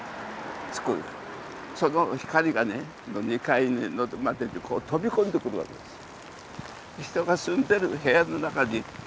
その光がね２階まで飛び込んでくるわけですよ。